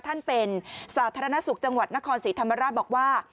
ท่านเป็นสาธารณสุขจังหวัดนครศรีธรรมราชบอกว่า